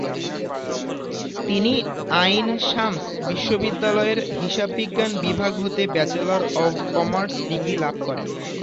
তিনি আইন-শামস বিশ্ববিদ্যালয়ের হিসাববিজ্ঞান বিভাগ হতে ব্যাচেলর অব কমার্স ডিগ্রী লাভ করেন।